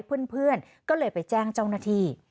เพื่อนก็เลยไปแจ้งเจ้าหน้าที่